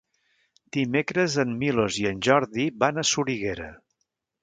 Dimecres en Milos i en Jordi van a Soriguera.